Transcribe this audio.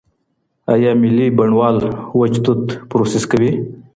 ایا ملي بڼوال وچ توت پروسس کوي؟